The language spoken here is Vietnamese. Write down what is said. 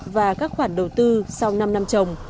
và các khoản đầu tư sau năm năm trồng